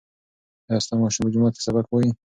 ایا ستا ماشوم په جومات کې سبق وایي؟